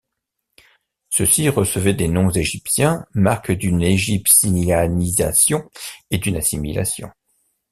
Ceux-ci recevaient des noms égyptiens, marque d'une égyptianisation et d'une assimilation.